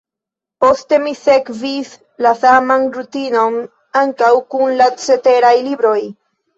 Poste mi sekvis la saman rutinon ankaŭ kun la ceteraj libroj.